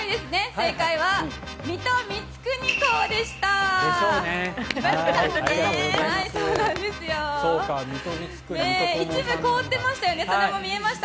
正解は水戸光圀公でした！